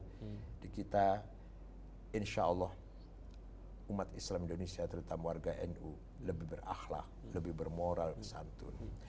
kita insya allah umat islam indonesia terutama warga nu lebih berakhlak lebih bermoral santun